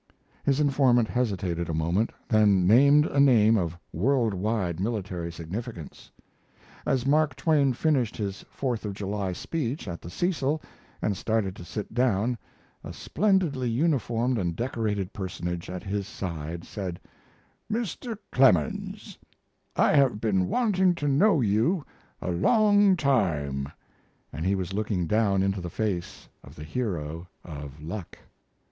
His informant hesitated a moment, then named a name of world wide military significance. As Mask Twain finished his Fourth of July speech at the Cecil and started to sit down a splendidly uniformed and decorated personage at his side said: "Mr. Clemens, I have been wanting to know you a long time," and he was looking down into the face of the hero of "Luck."